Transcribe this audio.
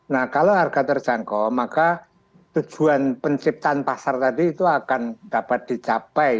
nah kalau harga terjangkau maka tujuan penciptaan pasar tadi itu akan dapat dicapai